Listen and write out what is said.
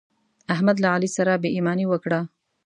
احمد له علي سره بې ايماني وکړه.